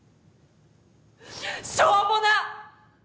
しょーもな！